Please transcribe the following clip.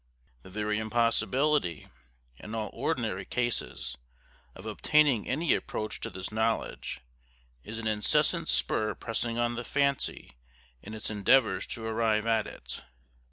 The very impossibility, in all ordinary cases, of obtaining any approach to this knowledge, is an incessant spur pressing on the fancy in its endeavours to arrive at it.